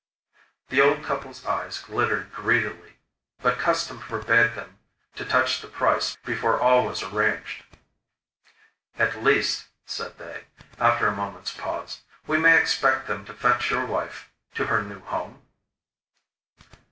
The old couple's eyes glittered greedily; but custom forbade them to touch the price before all was arranged. 'At least,' said they, after a moment's pause, 'we may expect them to fetch your wife to her new home?